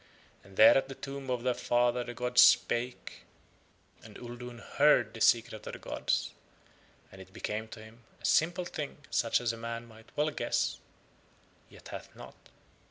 And there at the tomb of Their father the gods spake and Uldoon heard the Secret of the gods, and it became to him a simple thing such as a man might well guess—yet hath not.